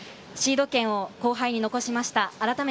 シード権を後輩に残しました。